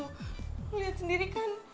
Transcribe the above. oh lo liat sendiri kan